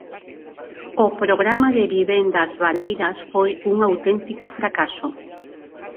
O programa de vivendas baleiras foi un auténtico fracaso.